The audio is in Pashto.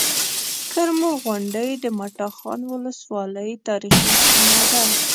کرمو غونډۍ د مټاخان ولسوالۍ تاريخي سيمه ده